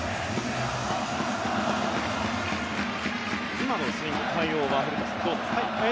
今のスイング、対応は古田さん、どうですか？